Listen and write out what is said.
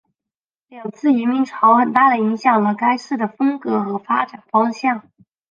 两次移民潮很大的影响了该市的风格和发展方向。